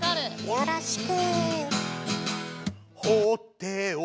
よろしく。